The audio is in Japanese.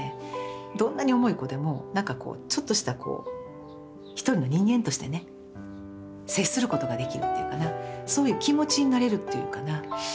どんなに重い子でも何かこうちょっとしたこう一人の人間としてね接することができるっていうかなそういう気持ちになれるっていうかな